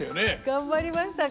頑張りましたか？